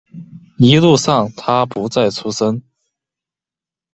一路上他不再出声